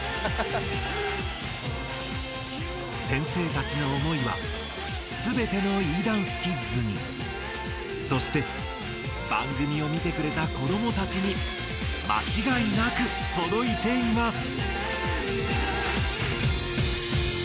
先生たちの思いはすべてのＥダンスキッズにそして番組を見てくれた子どもたちにまちがいなくとどいています！